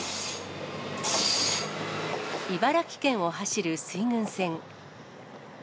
茨城県を走る水郡線。